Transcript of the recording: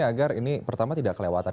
agar ini pertama tidak kelewatan